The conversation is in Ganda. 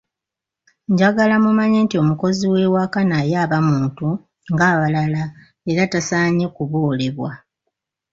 Njagala mumanye nti omukozi w'ewaka naye aba muntu ng'abalala era taasanye kuboolebwa.